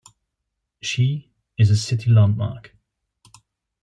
She is a city landmark.